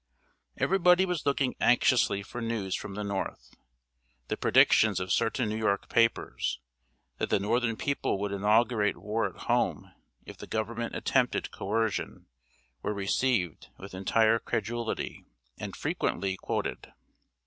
Everybody was looking anxiously for news from the North. The predictions of certain New York papers, that the northern people would inaugurate war at home if the Government attempted "coercion," were received with entire credulity, and frequently quoted.